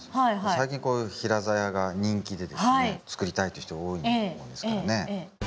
最近こういう平ざやが人気でですね作りたいという人が多いもんですからね。